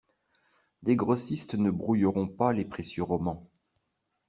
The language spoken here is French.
Des grossistes ne brouilleront pas les précieux romans.